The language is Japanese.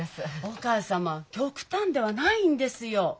お母様極端ではないんですよ！